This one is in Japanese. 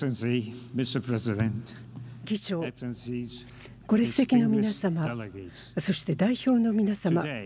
議長、ご列席の皆さまそして代表の皆様